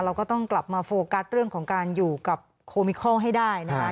เราก็ต้องกลับมาโฟกัสเรื่องของการอยู่กับโคมิคอลให้ได้นะคะ